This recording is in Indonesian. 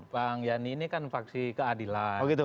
pak yani ini kan vaksin keadilan